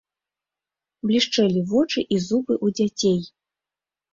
Блішчэлі вочы і зубы ў дзяцей.